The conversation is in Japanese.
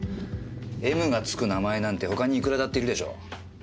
「Ｍ」がつく名前なんて他にいくらだっているでしょう。